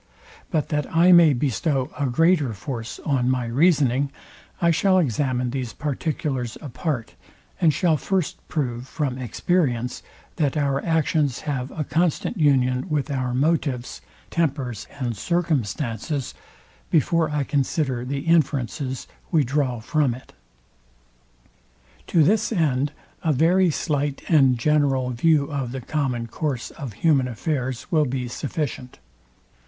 But that I may bestow a greater force on my reasoning, I shall examine these particulars apart, and shall first prove from experience that our actions have a constant union with our motives, tempers, and circumstances, before I consider the inferences we draw from it. To this end a very slight and general view of the common course of human affairs will be sufficient.